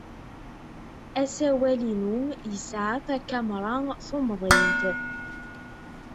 Asawal-inu yesɛa takamra tumḍint.